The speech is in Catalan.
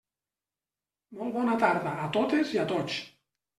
Molt bona tarda a totes i a tots.